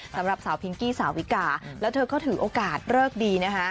สำหรับสาวพิงกี้สาวิกาแล้วเธอก็ถือโอกาสเลิกดีนะคะ